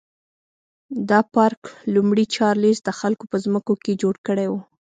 دا پارک لومړي چارلېز د خلکو په ځمکو کې جوړ کړی و.